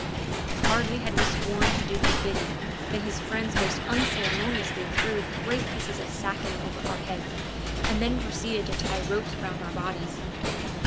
Hardly had we sworn to do his bidding than his friends most unceremoniously threw great pieces of sacking over our heads, and then proceeded to tie ropes round our bodies.